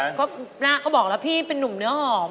หน้าก็บอกแล้วพี่เป็นหนุ่มเนื้อหอม